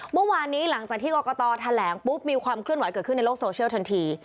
เมื่อวานนี้หลังจากที่กรกตแถลงปุ๊บมีความเคลื่อนไหวเกิดขึ้นในโลกโซเชียลทันที